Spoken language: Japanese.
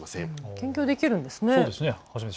兼業できるんですね。